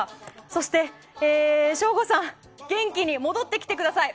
そして、省吾さん元気に戻ってきてください！